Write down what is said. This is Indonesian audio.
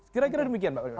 kira kira demikian pak